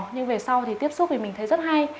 nhưng về sau thì tiếp xúc thì mình thấy rất hay